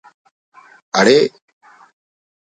اڑے